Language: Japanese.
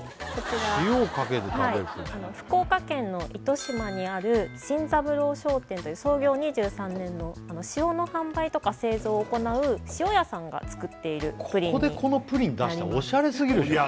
もう福岡県の糸島にある新三郎商店という創業２３年の塩の販売とか製造を行う塩屋さんが作っているここでこのプリン出したらオシャレすぎるでしょ